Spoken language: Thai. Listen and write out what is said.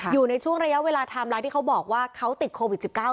อยู่ในช่วงระยะเวลาไทม์ไลน์ที่เขาบอกว่าเขาติดโควิด๑๙